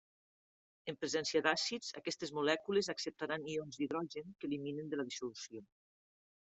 En presència d'àcids, aquestes molècules acceptaran ions d'hidrogen, que eliminen de la dissolució.